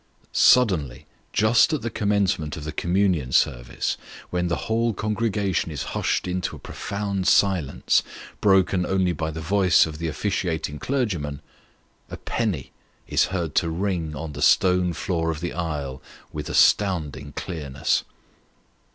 Suddenly, just at the commencement of the communion service, when the whole congregation is hushed into a profound silence, broken only by the voice of the officiating clergyman, a penny is heard to ring on the stone floor of the aisle with astounding clearness.